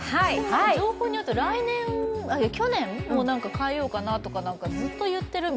情報によると、去年も変えようかなとずっと言ってると。